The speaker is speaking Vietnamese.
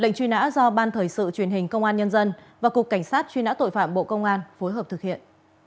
lệnh chuyên áo do ban thời sự truyền hình công an nhân dân và cục cảnh sát chuyên áo tội phạm bộ công an phối hợp thực hiện